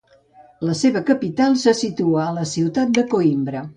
La seva capital se situà a la ciutat de Coïmbra.